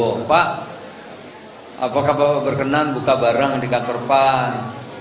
saya kira pak apakah bapak berkenan buka barang di kantor pan